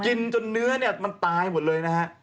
กินจนเนื้อมันตายหมดเลยนะฮะ